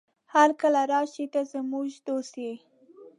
هرکله راشې، ته زموږ دوست يې.